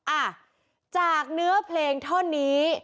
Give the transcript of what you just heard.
อ่ะจากเนื้อเพลงท่อนนี้